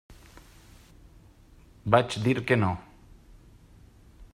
Vaig dir que no.